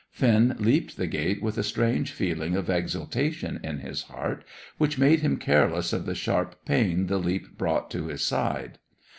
Finn leaped the gate with a strange feeling of exultation in his heart, which made him careless of the sharp pain the leap brought to his side.